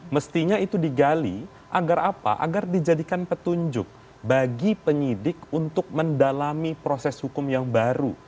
mestinya itu digali agar apa agar dijadikan petunjuk bagi penyidik untuk mendalami proses hukum yang baru